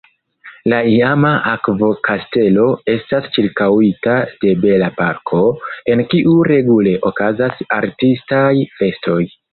La iama akvo-kastelo estas ĉirkaŭita de bela parko, en kiu regule okazas artistaj festoj.